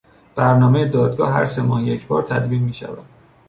برنامهی دادگاه هر سه ماه یک بار تدوین میشود.